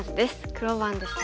黒番ですね。